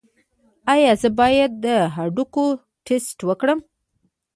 ایا زه باید د هډوکو ټسټ وکړم؟